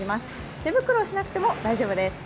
手袋しなくても大丈夫です。